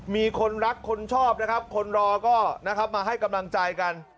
มีคนรักคนชอบนะครับคนรอก็นะครับมาให้กำลังใจกัน